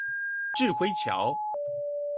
稚暉橋